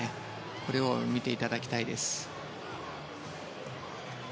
これを見ていただきたいです。